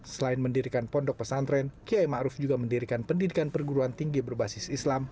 selain mendirikan pondok pesantren kiai ma'ruf juga mendirikan pendidikan perguruan tinggi berbasis islam